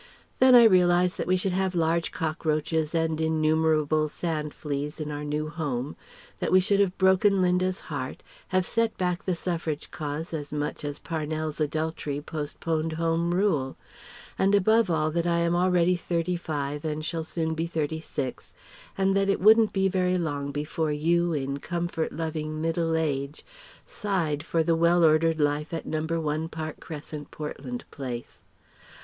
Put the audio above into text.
Then I realize that we should have large cockroaches and innumerable sand fleas in our new home, that we should have broken Linda's heart, have set back the Suffrage cause as much as Parnell's adultery postponed Home Rule; and above all that I am already thirty five and shall soon be thirty six and that it wouldn't be very long before you in comfort loving middle age sighed for the well ordered life of No. 1, Park Crescent, Portland Place!